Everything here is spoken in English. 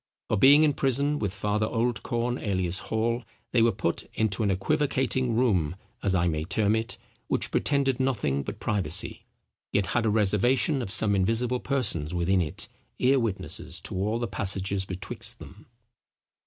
For being in prison with Father Oldcorn alias Hall, they were put into an equivocating room (as I may term it) which pretended nothing but privacy, yet had a reservation of some invisible persons within it, ear witnesses to all the passages betwixt them."